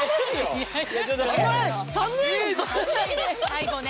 最後ね。